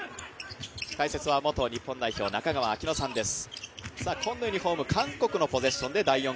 解説は元日本代表、中川聴乃さんです。